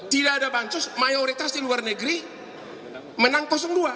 tidak ada pansus mayoritas di luar negeri menang dua